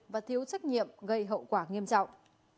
và thiếu trách nhiệm gây hậu quả nghiêm trọng